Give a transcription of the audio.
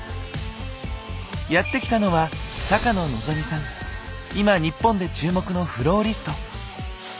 やって来たのは今日本で注目のフローリスト。